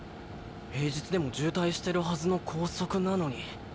平日でも渋滞してるはずの高速なのに。